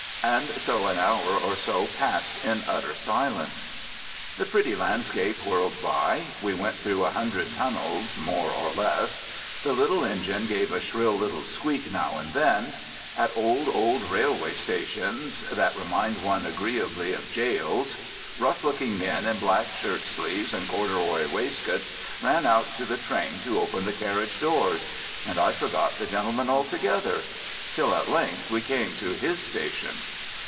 And so an hour or so passed in utter silence. The pretty landscape whirled by; we went through a hundred tunnels (more or less); the little engine gave a shrill little squeak now and then; at old, old railway stations, that remind one agreeably of jails, rough looking men in black shirt sleeves and corduroy waistcoats ran out to the train to open the carriage doors, and I forgot the gentleman altogether. Till at length we came to his station.